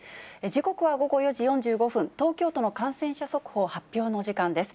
時刻は午後４時４５分、東京都の感染者速報発表の時間です。